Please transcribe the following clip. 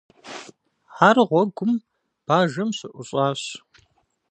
Ар гъуэгум бажэм щыӀущӀащ.